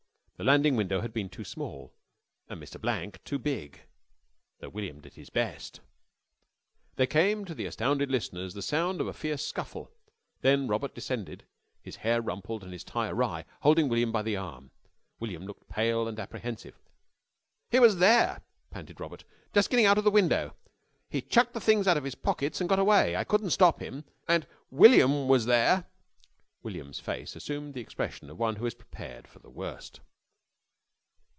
The landing window had been too small, and Mr. Blank too big, though William did his best. There came to the astounded listeners the sound of a fierce scuffle, then Robert descended, his hair rumpled and his tie awry, holding William by the arm. William looked pale and apprehensive. "He was there," panted Robert, "just getting out of the window. He chucked the things out of his pockets and got away. I couldn't stop him. And and William was there " William's face assumed the expression of one who is prepared for the worst.